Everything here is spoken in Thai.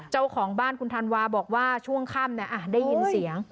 เจ้าของบ้านคุณธันวาบอกว่าช่วงค่ำได้ยินเสียง